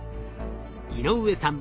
井上さん